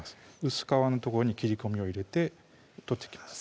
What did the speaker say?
薄皮の所に切り込みを入れて取っていきます